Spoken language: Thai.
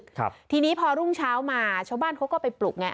ครับทีนี้พอรุ่งเช้ามาชาวบ้านเขาก็ไปปลุกไง